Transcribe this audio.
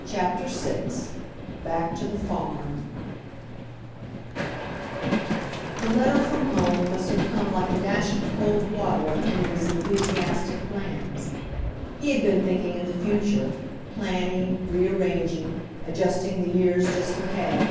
CHAPTER VI BACK TO THE FARM The letter from home must have come like a dash of cold wather on Henry's enthusiastic plans. He had been thinking in the future, plan ning, rearranging, adjusting the years just ahead.